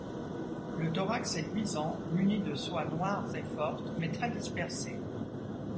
Le thorax est luisant, muni de soies noires et fortes, mais très-dispersées.